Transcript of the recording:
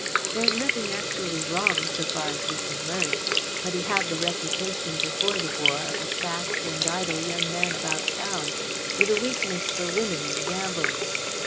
There is nothing actually wrong so far as we can learn, but he had the reputation, before the war, of a fast and idle young man about town, with a weakness for women and gambling.